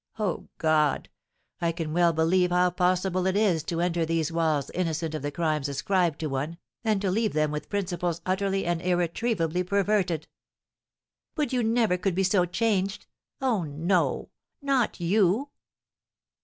Oh, God, I can well believe how possible it is to enter these walls innocent of the crimes ascribed to one, and to leave them with principles utterly and irretrievably perverted!" "But you never could be so changed! Oh, no, not you!"